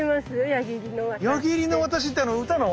矢切の渡しってあの歌の？